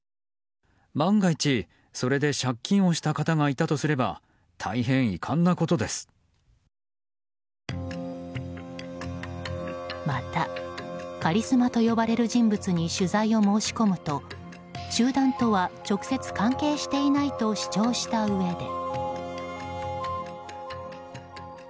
万が一、それで借金をした方がいるとすればまたカリスマと呼ばれる人物に取材を申し込むと集団とは直接関係していないと主張したうえで。